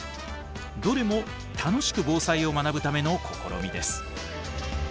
どれも楽しく防災を学ぶための試みです。